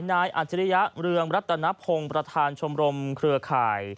อัจฉริยะเรืองรัตนพงศ์ประธานชมรมเครือข่าย